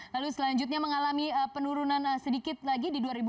lalu selanjutnya mengalami penurunan sedikit lagi di dua ribu dua puluh